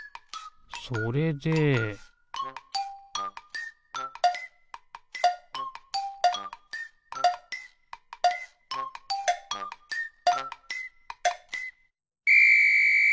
それでピッ！